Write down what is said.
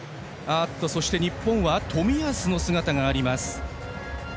そして日本は冨安の姿があります。